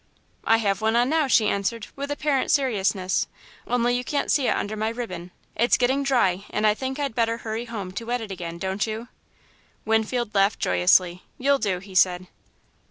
"I have one on now," she answered, with apparent seriousness, "only you can't see it under my ribbon. It's getting dry and I think I'd better hurry home to wet it again, don't you?" Winfield laughed joyously. "You'll do," he said.